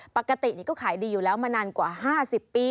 ปกติก็ขายดีอยู่แล้วมานานกว่า๕๐ปี